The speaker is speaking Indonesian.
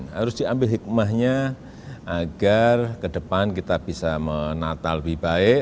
harus diambil hikmahnya agar ke depan kita bisa menata lebih baik